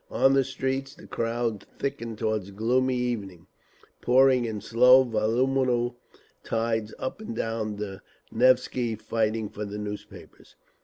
On the streets the crowds thickened toward gloomy evening, pouring in slow voluble tides up and down the Nevsky, fighting for the newspapers….